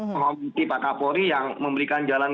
menghormati pak kapolri yang memberikan jalan